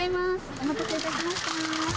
お待たせいたしました。